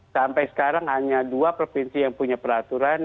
sampai sekarang hanya dua provinsi yang punya peraturan